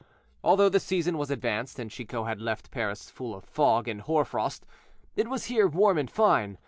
Although the season was advanced, and Chicot had left Paris full of fog and hoar frost, it was here warm and fine.